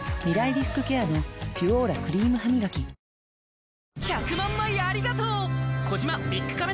リスクケアの「ピュオーラ」クリームハミガキ届け。